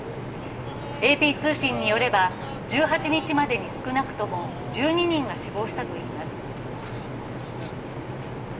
ＡＰ通信によれば１８日までに少なくとも１２人が死亡したといいます。